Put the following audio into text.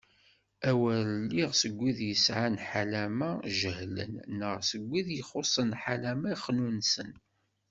A wer iliɣ seg wid yesɛan ḥalama jehlen neɣ seg wid ixuṣṣen ḥalama xnunesen.